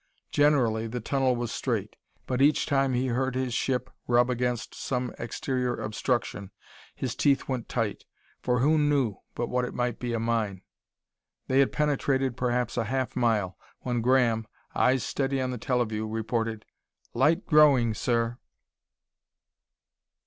Generally, the tunnel was straight; but each time he heard his ship rub against some exterior obstruction, his teeth went tight for who knew but what it might be a mine? They had penetrated perhaps a half mile when Graham, eyes steady on the teleview, reported: "Light growing, sir!"